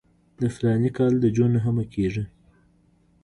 د فلاني کال د جون نهمه کېږي.